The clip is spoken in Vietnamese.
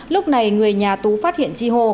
lúc này người nhà tú phát hiện chi hồ